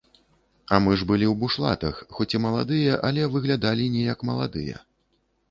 А мы ж былі ў бушлатах, хоць і маладыя, але выглядалі не як маладыя.